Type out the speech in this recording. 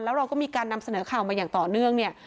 แล้วเราก็มีการนำเสนอข่าวมาอย่างต่อเนื่องเนี่ย